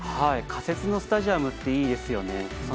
仮設のスタジアムっていいですよね。